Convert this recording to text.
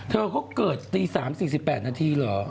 เธอเขาเกิดตี๓๔๘นาทีเหรอ